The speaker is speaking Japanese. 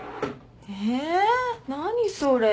えー何それ。